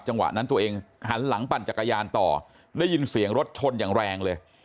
จังหวะนั้นตัวเองหันหลังปั่นจักรยานต่อได้ยินเสียงรถชนอย่างแรงเลย